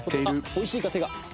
美味しいか手が。